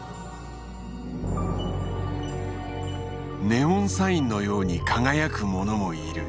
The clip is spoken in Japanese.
ネオンサインのように輝くものもいる。